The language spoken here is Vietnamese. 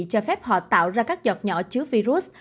cho phép họ tạo ra các giọt nhỏ chứa virus